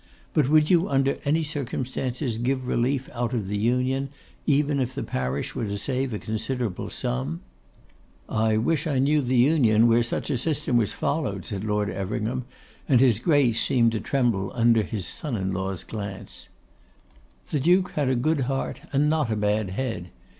But would you under any circumstances give relief out of the Union, even if the parish were to save a considerable sum?' 'I wish I knew the Union where such a system was followed,' said Lord Everingham; and his Grace seemed to tremble under his son in law's glance. The Duke had a good heart, and not a bad head.